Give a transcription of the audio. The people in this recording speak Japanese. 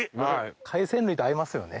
海鮮類と合いますよね。